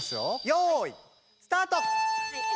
よいスタート！